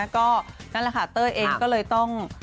ก็นั่นแหละค่ะเต้ยเองก็เลยต้อง